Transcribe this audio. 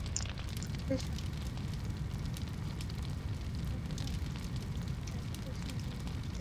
তাঁদের সঙ্গে বন্ধুত্বের সূত্রে নতুন ধারার সাহিত্যের সঙ্গে ঘনিষ্ঠ পরিচয় ঘটল।